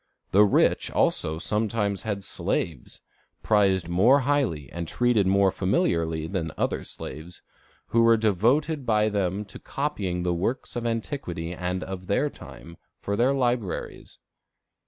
The rich also sometimes had slaves, prized more highly and treated more familiarly than other slaves, who were devoted by them to copying the works of antiquity and of their time, for their libraries.